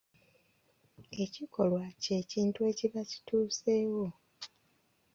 Ekikolwa kye kintu ekiba kituuseewo.